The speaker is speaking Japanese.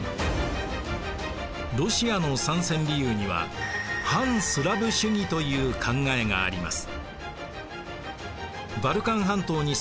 ロシアの参戦理由には汎スラブ主義という考えがあります。